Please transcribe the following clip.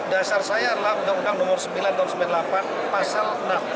dasar saya adalah undang undang nomor sembilan tahun seribu sembilan ratus sembilan puluh delapan pasal enam